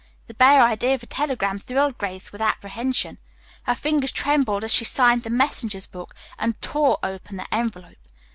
The bare idea of a telegram thrilled Grace with apprehension. Her fingers trembled as she signed the messenger's book and tore open the envelope.